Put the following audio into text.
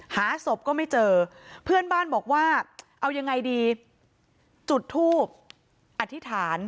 หาศพก็ไม่เจอเพื่อนบ้านบอกว่าเอายังไงดีจุดทูบอธิษฐาน